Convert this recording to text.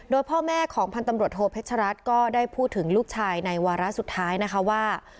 โดยพ่อแม่ของพันธ์ตำรวจโทเพชรัตน์ก็ได้พูดถึงลูกชายในวาระสุดท้ายนะคะว่า